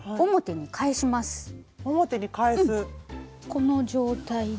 この状態で。